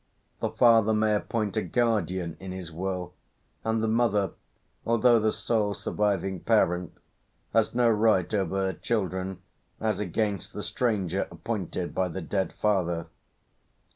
The father may appoint a guardian in his will, and the mother, although the sole surviving parent, has no right over her children as against the stranger appointed by the dead father.